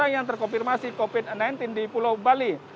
yang terkonfirmasi covid sembilan belas di pulau bali